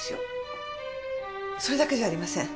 それだけじゃありません。